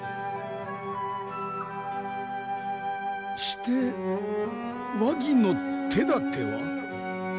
して和議の手だては？